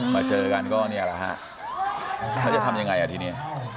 เจอกันก็เนี่ยแหละฮะแล้วจะทำยังไงอ่ะทีนี้